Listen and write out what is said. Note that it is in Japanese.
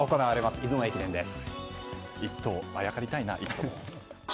出雲駅伝です。